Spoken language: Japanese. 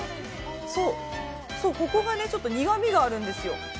ここがちょっと苦みがあるんですよ。